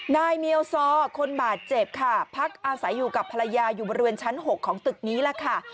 นายเมียวซอคนบาดเจ็บค่ะพักอาศัยอยู่กับภรรยาอยู่บริเวณชั้น๖ของตึกนี้แหละค่ะ